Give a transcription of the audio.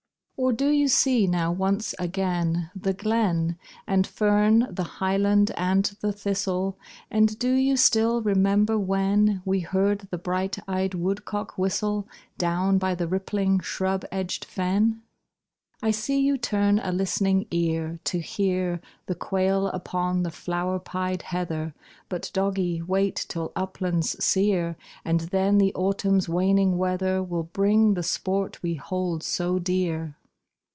Or do you see now once again The glen And fern, the highland, and the thistle? And do you still remember when We heard the bright eyed woodcock whistle Down by the rippling, shrub edged fen? I see you turn a listening ear To hear The quail upon the flower pied heather; But, doggie, wait till uplands sere, And then the autumn's waning weather Will bring the sport we hold so dear.